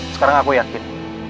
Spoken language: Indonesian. sekarang aku yakin